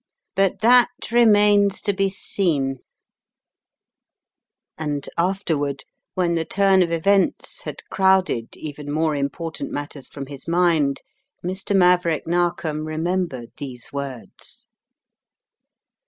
But that remains to be seen/' And afterward, when the turn of events had crowded even more important matters from his mind, Mr. Maverick Narkom remembered these words.